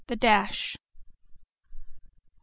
THE DASH XL.